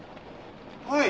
はい。